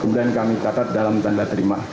kemudian kami catat dalam tanda terima